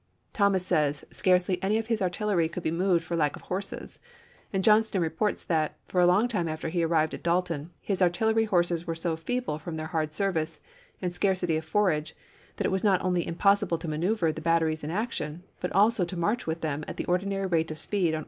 Thomas says scarcely any of his artillery could be moved for lack of horses ; and Johnston reports that, for a long time after he arrived at Dalton, his artillery horses were so feeble from their hard service and scarcity of forage that it was not only impossible to manoeuvre the batteries in action, but also to march with them at the ordinary rate of speed on 1863.